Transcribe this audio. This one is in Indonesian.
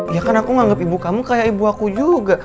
ya kan aku menganggap ibu kamu kayak ibu aku juga